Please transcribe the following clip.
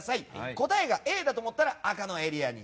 答えがＡだと思ったら赤のエリアに。